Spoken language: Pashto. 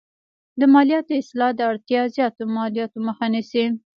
د مالیاتو اصلاح د اړتیا زیاتو مالیاتو مخه نیسي.